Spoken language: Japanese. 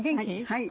はい。